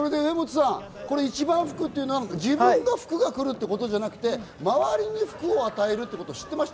一番福というのは、自分に福が来るってことじゃなくて、周りに福を与えるってことは知ってました？